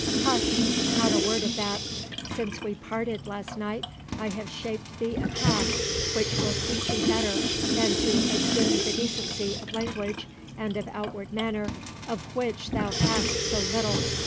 "Hush, not a word of that. Since we parted last night, I have shaped thee a path which will suit thee better than to assume the decency of language and of outward manner, of which thou hast so little.